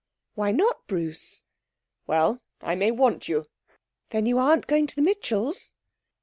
'Why not, Bruce?' 'Well, I may want you.' 'Then aren't you going to the Mitchells'?'